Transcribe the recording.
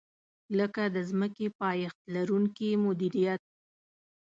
لکه د ځمکې پایښت لرونکې مدیریت.